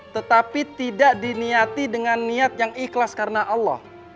tetapi tidak diniati dengan niat yang ikhlas karena allah